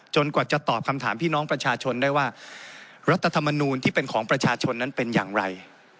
กว่าจะตอบคำถามพี่น้องประชาชนได้ว่ารัฐธรรมนูลที่เป็นของประชาชนนั้นเป็นอย่างไร